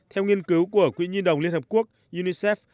theo nghiên cứu của quỹ nhi đồng liên hợp quốc unicef